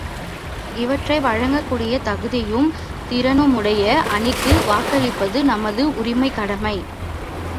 இவற்றை வழங்கக்கூடிய தகுதியும் திறனுமுடைய அணிக்கு வாக்களிப்பது நமது உரிமை கடமை!